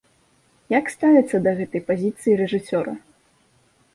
Як ставіцца да гэтай пазіцыі рэжысёра?